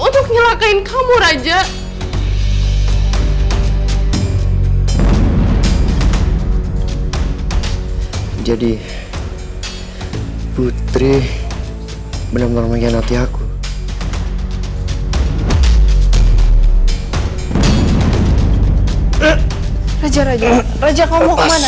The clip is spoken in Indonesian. menyalakain kamu raja jadi putri bener bener menggiganti aku raja raja raja kamu kemana